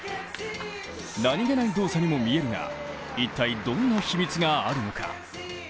何気ない動作にも見えるが一体どんな秘密があるのか。